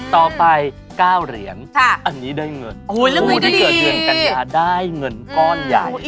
ต่อไป๙เหรียญอันนี้ได้เงิน